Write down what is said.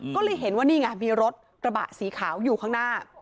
ก็เลยเห็นว่านี่ไงมีรถกระบะสีขาวอยู่ข้างหน้า